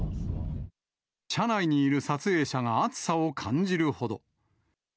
車内にいる撮影者が熱さを感じるほど。